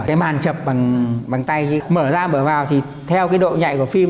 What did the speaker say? cái màn chập bằng tay mở ra mở vào thì theo cái độ nhạy của phim